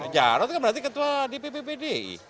jarod kan berarti ketua dpp pdi